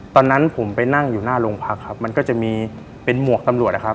ตอนนั้นผมไปนั่งอยู่หน้าโรงพักครับมันก็จะมีเป็นหมวกตำรวจนะครับ